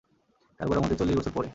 কারো কারো মতে, চল্লিশ বছর পরে।